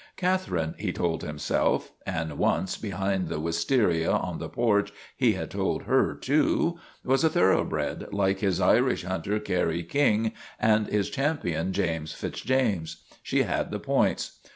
Cath erine, he told himself and once, behind the wis taria on the porch, he had told her, too was a thoroughbred, like his Irish hunter Kerry King and his Champion James Fitz James. She had the points.